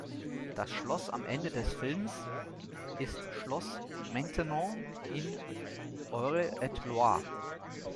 Das Schloss am Ende des Filmes ist Schloss Maintenon in Eure-et-Loir.